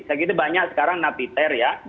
sekarang banyak napiter ya